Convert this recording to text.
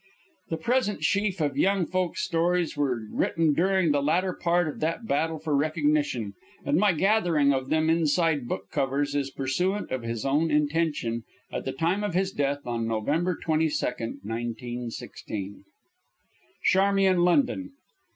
The present sheaf of young folk's stories were written during the latter part of that battle for recognition, and my gathering of them inside book covers is pursuant of his own intention at the time of his death on November 22, 1916. CHARMIAN LONDON.